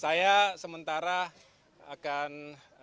saya sementara akan